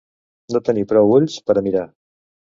No tenir prou ulls per a mirar.